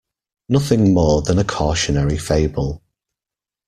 Nothing more than a cautionary fable.